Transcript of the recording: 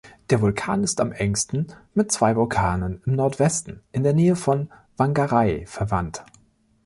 Der Vulkan ist am engsten mit zwei Vulkanen im Nordwesten, in der Nähe von Whangarei, verwandt.